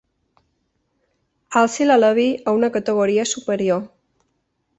Alci l'aleví a una categoria superior.